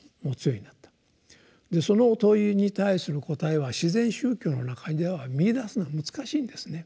その問いに対する答えは「自然宗教」の中では見いだすのは難しいんですね。